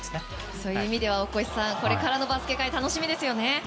そういう意味では大越さん、これからのバスケ界が楽しみですよね。